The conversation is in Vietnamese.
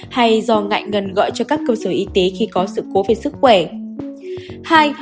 hay do ngại ngần gọi cho các cơ sở y tế khi có sự cố về sức khỏe